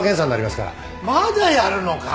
まだやるのか？